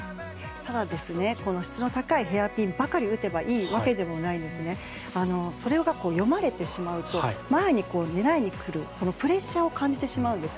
ただ、質の高いヘアピンばかり打てばいいわけでもないんですね。それが読まれてしまうと前に狙いに来る、プレッシャーを感じてしまうんです。